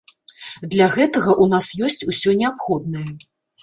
Для гэтага ў нас ёсць усё неабходнае.